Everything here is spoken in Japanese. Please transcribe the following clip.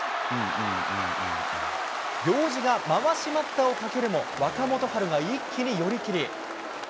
行司がまわし待ったをかけるも、若元春が一気に寄り切り。